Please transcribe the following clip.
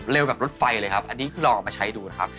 กับรถไฟเลยครับอันนี้คือลองเอามาใช้ดูนะครับ